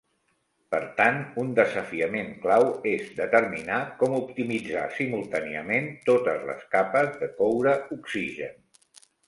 Per tant, un desafiament clau és determinar com optimitzar simultàniament totes les capes de coure-oxigen.